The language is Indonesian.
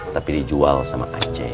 tapi dijual sama aceh